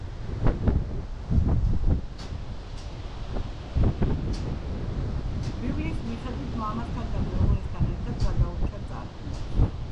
ბიბლიის მიხედვით მამასთან და მეუღლესთან ერთად გადაურჩა წარღვნას.